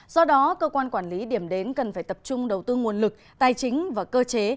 do đó cơ quan quản lý điểm đến cần phải tập trung đầu tư nguồn lực tài chính và cơ chế